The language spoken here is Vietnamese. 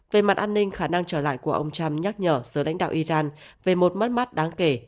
về mặt an ninh khả năng trở lại của ông trump nhắc nhở giữa lãnh đạo iran về một mất mắt đáng kể